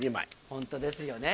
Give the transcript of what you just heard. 本当ですよね。